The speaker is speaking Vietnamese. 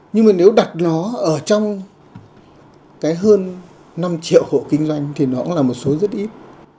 nhưng mà nếu đặt nó ở trong cái hơn năm triệu hộ kinh doanh thì nó cũng là một số rất ít